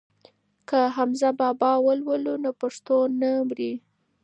که حمزه بابا ولولو نو پښتو نه مري.